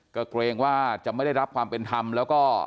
ก็เกรงว่าจะไม่ได้รับความเป็นธรรมแล้วก็